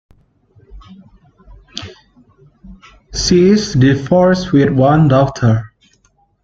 She is divorced with one daughter.